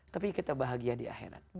tapi kita bahagia di akhirat